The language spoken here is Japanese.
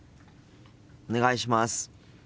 お願いします。